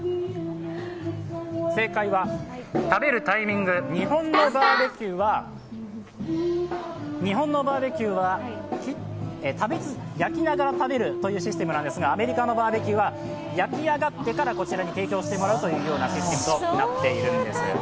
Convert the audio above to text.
正解は、食べるタイミング、日本のバーベキューは焼きながら食べるというシステムなんですがアメリカのバーベキューは焼き上がってからこちらに提供していただくというシステムになっているんです。